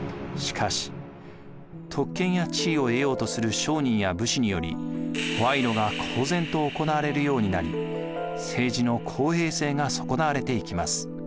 しかし特権や地位を得ようとする商人や武士により賄賂が公然と行われるようになり政治の公平性が損なわれていきます。